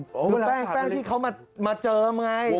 จุ้มแป้งที่เขาเจิมไง